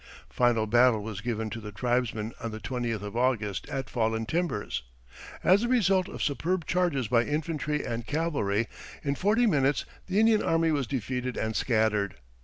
Final battle was given to the tribesmen on the twentieth of August at Fallen Timbers. As the result of superb charges by infantry and cavalry, in forty minutes the Indian army was defeated and scattered.